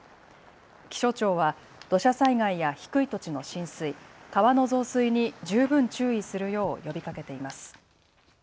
気象庁は土砂災害や低い土地の浸水、川の増水に十分注意するよう呼びかけています。